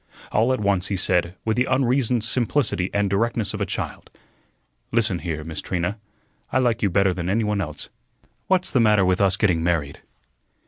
All at once he said, with the unreasoned simplicity and directness of a child: "Listen here, Miss Trina, I like you better than any one else; what's the matter with us getting married?"